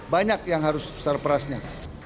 banyak yang harus surplusnya